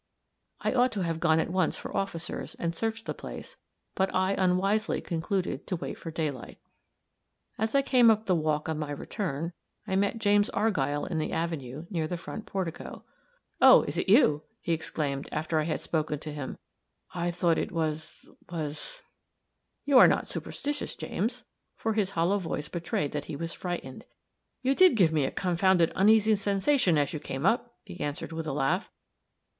I ought to have gone at once for officers, and searched the place; but I unwisely concluded to wait for daylight. As I came up the walk on my return, I met James Argyll in the avenue, near the front portico. "Oh, is it you?" he exclaimed, after I had spoken to him. "I thought it was was " "You are not superstitious, James?" for his hollow voice betrayed that he was frightened. "You did give me a confounded uneasy sensation as you came up," he answered with a laugh.